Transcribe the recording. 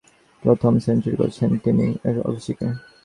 সেটাই ছিল দেশের বাইরে কোনো পাকিস্তানির টেস্ট অভিষেকে করা প্রথম সেঞ্চুরি।